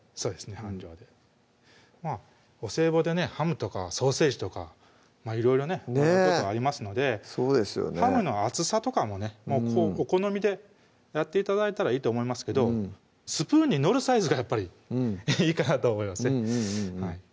半量でお歳暮でねハムとかソーセージとかいろいろねもらうことありますのでハムの厚さとかもねお好みでやって頂いたらいいと思いますけどスプーンに載るサイズがやっぱりいいかなと思いますね